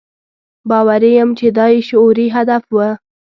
باوري یم چې دا یې شعوري هدف و.